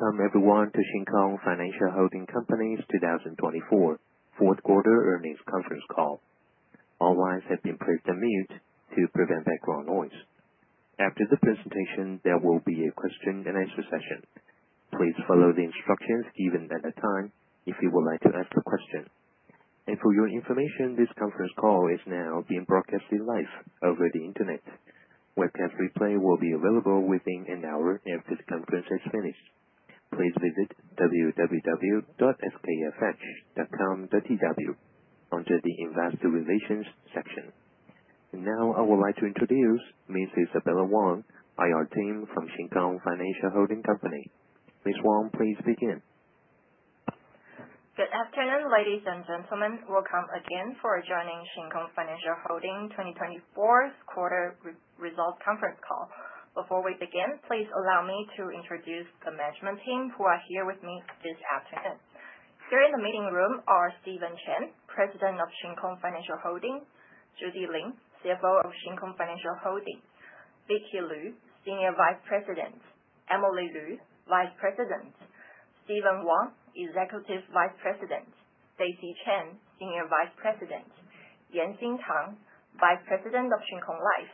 Welcome everyone to Shin Kong Financial Holding Company’s 2024 fourth quarter earnings conference call. All lines have been placed on mute to prevent background noise. After the presentation, there will be a question-and-answer session. Please follow the instructions given at that time if you would like to ask a question. For your information, this conference call is now being broadcast live over the Internet. Webcast replay will be available within an hour after the conference has finished. Please visit www.skfh.com.tw under the Investor Relations section. I would now like to introduce Ms. Isabella Wang, IR Team from Shin Kong Financial Holding Company. Ms. Wang, please begin. Good afternoon, ladies and gentlemen. Welcome again for joining Shin Kong Financial Holding 2024 Quarter Result Conference Call. Before we begin, please allow me to introduce the management team who are here with me this afternoon. Here in the meeting room are Stephen Chen, President of Shin Kong Financial Holding; Judy Lin, CFO of Shin Kong Financial Holding; Vicky Lu, Senior Vice President; Emily Lu, Vice President; Stephen Wang, Executive Vice President; Stacy Chen, Senior Vice President; Yen Hsin-tang, Vice President of Shin Kong Life;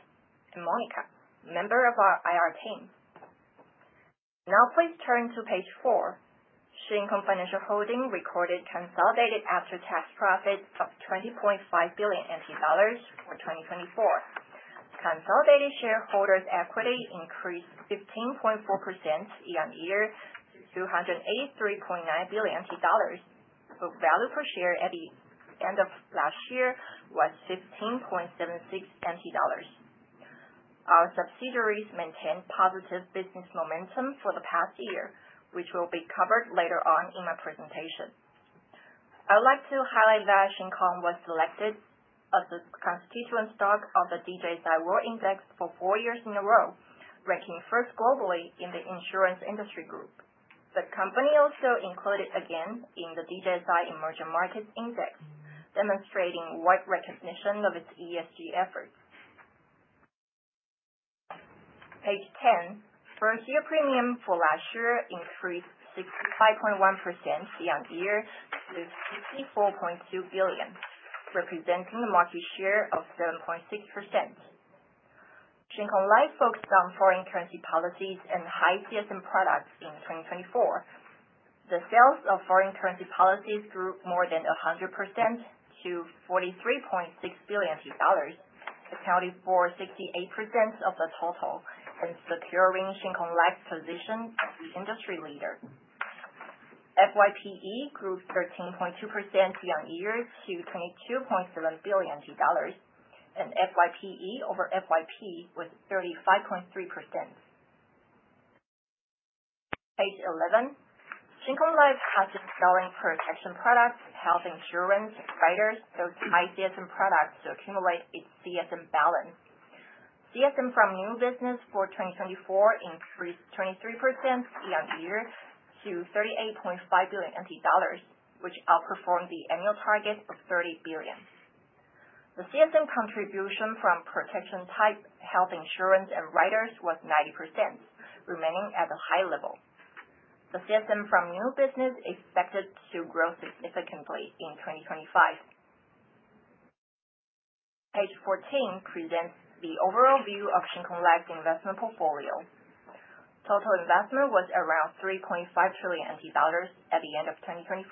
and Monica, Member of our IR Team. Now please turn to page 4. Shin Kong Financial Holding recorded consolidated after tax profits of NTD 20.5 billion for 2024. Consolidated shareholders' equity increased 15.4% year on year to NTD 283.9 billion, with value per share at the end of last year was NTD 15.76. Our subsidiaries maintained positive business momentum for the past year, which will be covered later on in my presentation. I would like to highlight that Shin Kong was selected as a constituent stock of the DJSI World Index for four years in a row, ranking first globally in the insurance industry group. The company also included again in the DJSI Emerging Markets Index, demonstrating wide recognition of its ESG efforts. Page 10, first-year premium for last year increased 65.1% year-on-year to NTD 64.2 billion, representing a market share of 7.6%. Shin Kong Life focused on foreign currency policies and high CSM products in 2024. The sales of foreign currency policies grew more than 100% to NTD 43.6 billion, accounting for 68% of the total, and securing Shin Kong Life's position as the industry leader. FYPE grew 13.2% year on year to NTD 22.7 billion, and FYPE over FYP was 35.3%. Page 11, Shin Kong Life has been selling protection products, health insurance, and riders, those high CSM products, to accumulate its CSM balance. CSM from new business for 2024 increased 23% year on year to NTD 38.5 billion, which outperformed the annual target of NTD 30 billion. The CSM contribution from protection type, health insurance, and riders was 90%, remaining at a high level. The CSM from new business is expected to grow significantly in 2025. Page 14 presents the overall view of Shin Kong Life's investment portfolio. Total investment was around NTD 3.5 trillion at the end of 2024.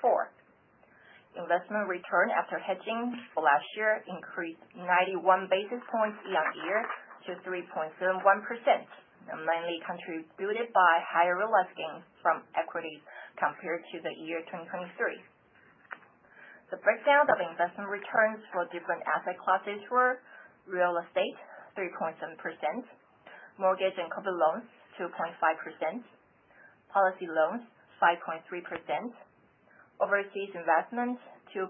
Investment return after hedging for last year increased 91 basis points year on year to 3.71%, mainly contributed by higher realized gains from equities compared to the year 2023. The breakdown of investment returns for different asset classes were real estate 3.7%, mortgage and consumer loans 2.5%, policy loans 5.3%, overseas investment 2.5%,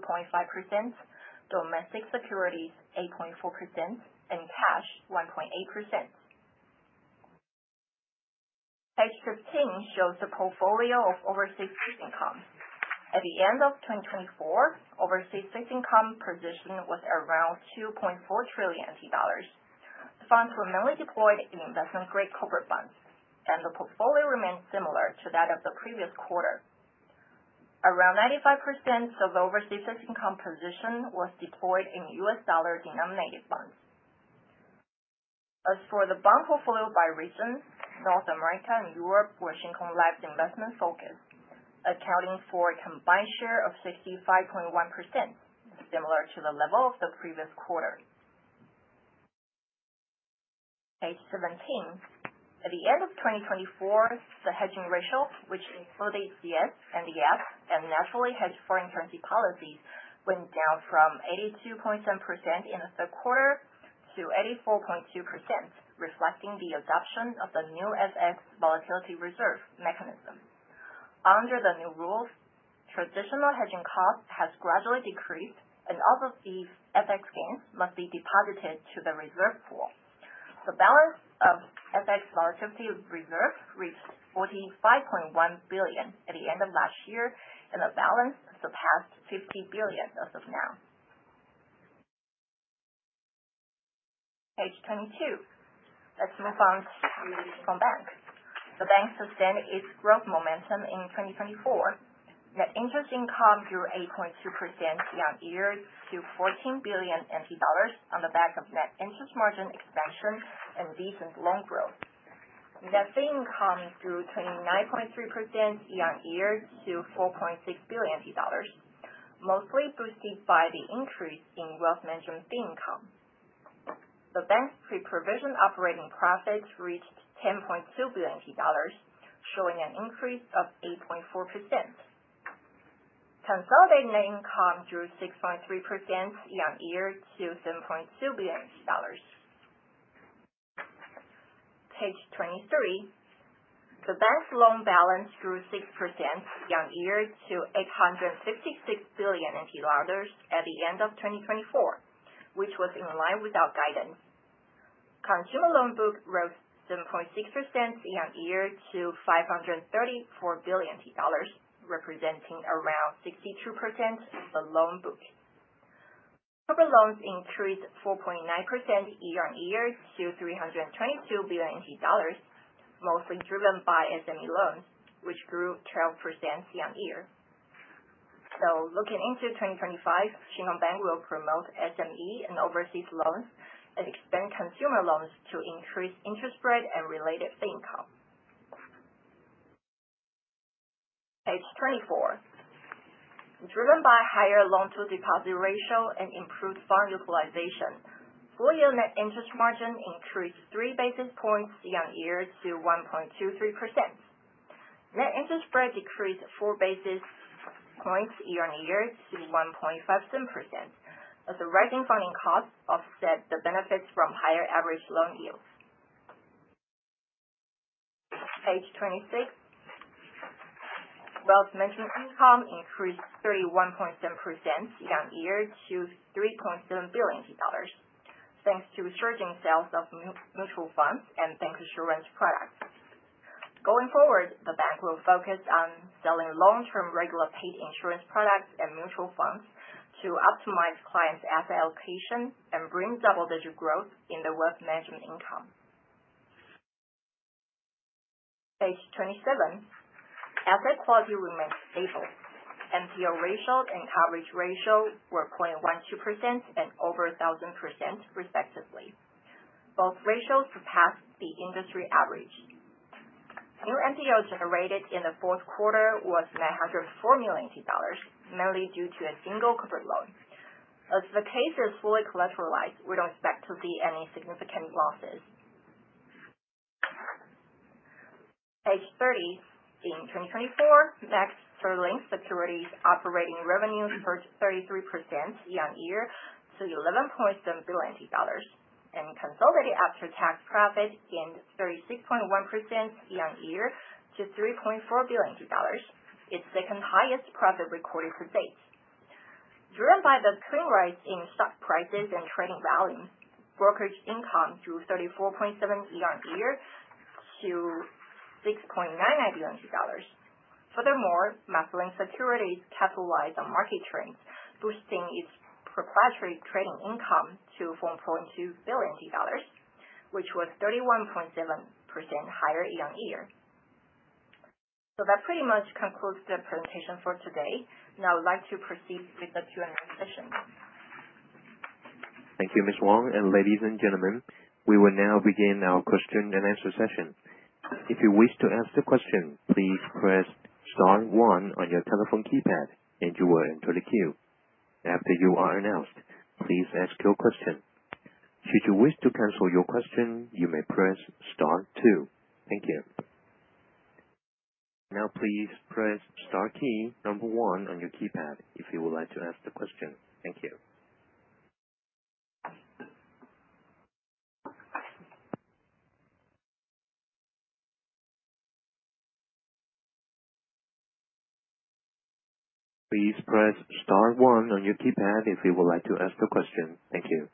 domestic securities 8.4%, and cash 1.8%. Page 15 shows the portfolio of overseas fixed income. At the end of 2024, overseas fixed income position was around 2.4 trillion dollars. The funds were mainly deployed in investment-grade corporate bonds, and the portfolio remained similar to that of the previous quarter. Around 95% of the overseas fixed income position was deployed in US dollar-denominated bonds. As for the bond portfolio by region, North America and Europe were Shin Kong Life's investment focus, accounting for a combined share of 65.1%, similar to the level of the previous quarter. Page 17, at the end of 2024, the hedging ratio, which included CS and NDFs, and naturally hedged foreign currency policies, went down from 82.7% in the third quarter to 84.2%, reflecting the adoption of the new FX volatility reserve mechanism. Under the new rules, traditional hedging costs have gradually decreased, and all of these FX gains must be deposited to the reserve pool. The balance of FX volatility reserve reached NTD 45.1 billion at the end of last year, and the balance surpassed NTD 50 billion as of now. Page 22, let's move on to Shin Kong Bank. The bank sustained its growth momentum in 2024. Net interest income grew 8.2% year on year to NTD 14 billion on the back of net interest margin expansion and decent loan growth. Net fee income grew 29.3% year on year to NTD 4.6 billion, mostly boosted by the increase in wealth management fee income. The bank's pre-provision operating profits reached NTD 10.2 billion, showing an increase of 8.4%. Consolidated net income grew 6.3% year on year to NTD 7.2 billion. Page 23, the bank's loan balance grew 6% year on year to NTD 866 billion at the end of 2024, which was in line with our guidance. Consumer loan book rose 7.6% year on year to NTD 534 billion, representing around 62% of the loan book. Corporate loans increased 4.9% year on year to NTD 322 billion, mostly driven by SME loans, which grew 12% year on year. Looking into 2025, Shin Kong Bank will promote SME and overseas loans and expand consumer loans to increase interest rate and related fee income. Page 24, driven by higher loan-to-deposit ratio and improved fund utilization, full-year net interest margin increased 3 basis points year on year to 1.23%. Net interest rate decreased 4 basis points year on year to 1.57%, as the rising funding costs offset the benefits from higher average loan yields. Page 26, wealth management income increased 31.7% year on year to NTD 3.7 billion, thanks to surging sales of mutual funds and bank insurance products. Going forward, the bank will focus on selling long-term regular paid insurance products and mutual funds to optimize clients' asset allocation and bring double-digit growth in the wealth management income. Page 27, asset quality remained stable. NPL ratio and coverage ratio were 0.12% and over 1,000%, respectively. Both ratios surpassed the industry average. New NPL generated in the fourth quarter was NTD 904 million, mainly due to a single corporate loan. As the case is fully collateralized, we do not expect to see any significant losses. Page 30, in 2024, MasterLink Securities operating revenue surged 33% year on year to NTD 11.7 billion, and consolidated after tax profits gained 36.1% year on year to NTD 3.4 billion, its second-highest profit recorded to date. Driven by the turnover rates in stock prices and trading volume, brokerage income grew 34.7% year on year to NTD 6.99 billion. Furthermore, MasterLink Securities capitalized on market trends, boosting its proprietary trading income to NTD 4.2 billion, which was 31.7% higher year on year. That pretty much concludes the presentation for today. Now I would like to proceed with the Q&A session. Thank you, Ms. Wang. Ladies and gentlemen, we will now begin our question-and-answer session. If you wish to ask a question, please press star one on your telephone keypad, and you will enter the queue. After you are announced, please ask your question. Should you wish to cancel your question, you may press star two. Thank you. Now please press star key number one on your keypad if you would like to ask the question. Thank you. Please press star one on your keypad if you would like to ask a question. Thank you.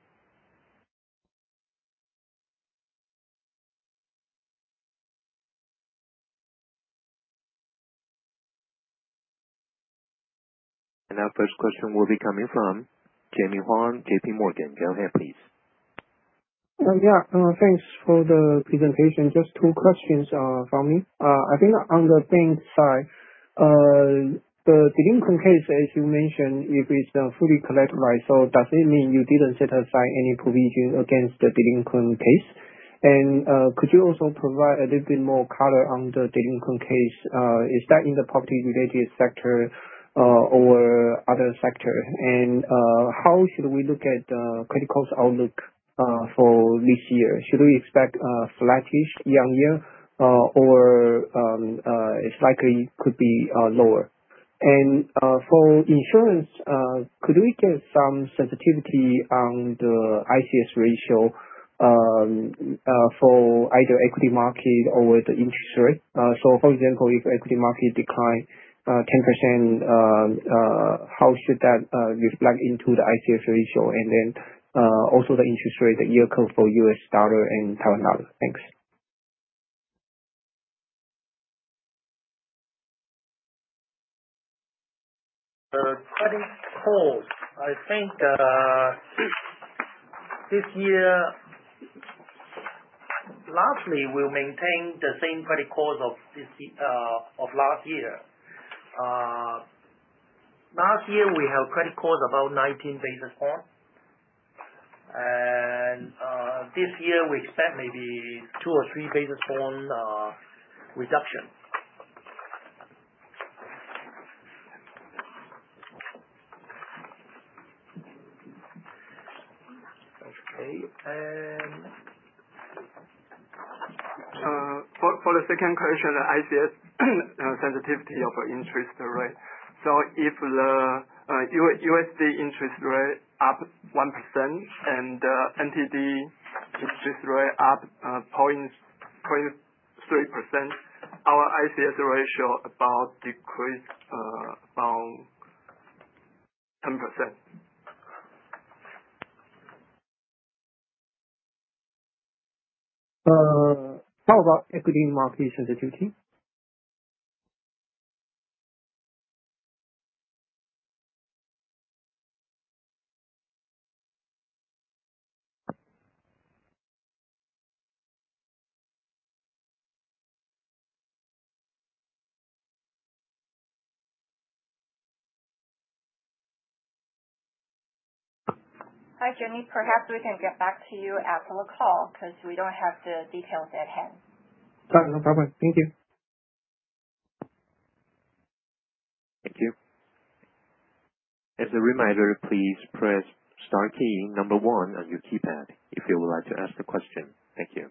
Our first question will be coming from Jemmy Huang, JPMorgan. Go ahead, please. Yeah. Thanks for the presentation. Just two questions from me. I think on the bank side, the delinquent case, as you mentioned, if it's fully collateralized, does it mean you didn't set aside any provision against the delinquent case? Could you also provide a little bit more color on the delinquent case? Is that in the property-related sector or other sector? How should we look at the credit cost outlook for this year? Should we expect a flat-ish year on year, or is it likely it could be lower? For insurance, could we get some sensitivity on the ICS ratio for either equity market or the interest rate? For example, if equity market declined 10%, how should that reflect into the ICS ratio? Also, the interest rate, the yield curve for US dollar and Taiwan dollar. Thanks. The credit cost, I think this year largely will maintain the same credit cost of last year. Last year, we had a credit cost of about 19 basis points, and this year we expect maybe two or three basis point reduction. Okay. For the second question, the ICS sensitivity of interest rate. If the USD interest rate up 1% and the NTD interest rate up 0.3%, our ICS ratio about decreased about 10%. How about equity market sensitivity? Hi, Jemmy. Perhaps we can get back to you after the call because we do not have the details at hand. No problem. Thank you. Thank you. As a reminder, please press star key number one on your keypad if you would like to ask a question. Thank you.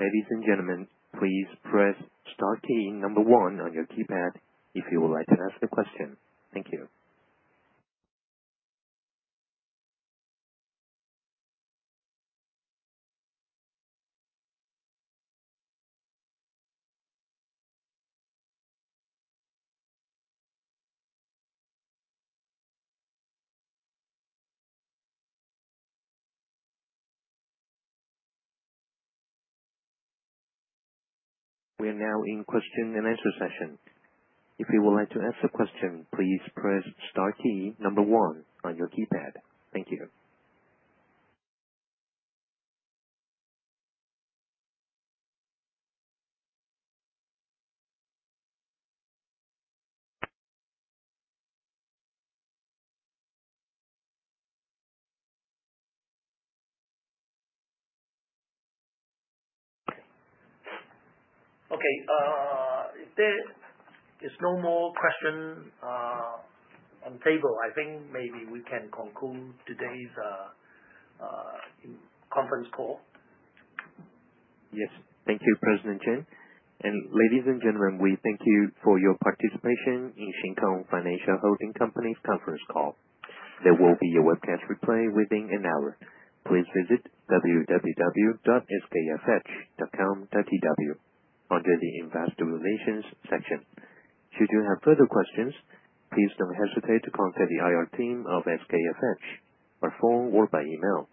Ladies and gentlemen, please press star key number one on your keypad if you would like to ask a question. Thank you. We are now in question-and-answer session. If you would like to ask a question, please press star key number one on your keypad. Thank you. Okay. Is there no more questions on the table? I think maybe we can conclude today's conference call. Yes. Thank you, President Chen. Ladies and gentlemen, we thank you for your participation in Shin Kong Financial Holding Company's conference call. There will be a webcast replay within an hour. Please visit www.skfh.com.tw under the Investor Relations section. Should you have further questions, please do not hesitate to contact the IR team of SKFH by phone or by email.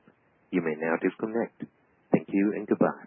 You may now disconnect. Thank you and goodbye.